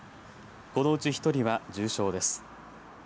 このうち１人は重傷です。